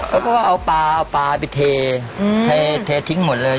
เขาก็เอาปลาเอาปลาไปเททิ้งหมดเลย